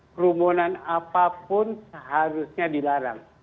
kerumunan apapun seharusnya dilarang